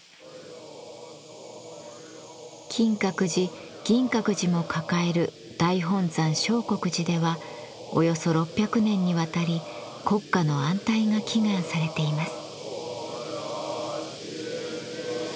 金閣寺銀閣寺も抱える大本山相国寺ではおよそ６００年にわたり国家の安泰が祈願されています。